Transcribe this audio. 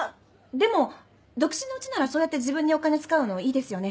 でも独身のうちならそうやって自分にお金使うのいいですよね。